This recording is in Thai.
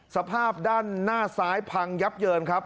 สภาพด้านหน้าซ้ายพังยับเยินครับ